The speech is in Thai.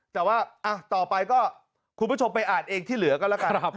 แต่ว่าต่อไปก็คุณผู้ชมไปอ่านเองที่เหลือก็แล้วกัน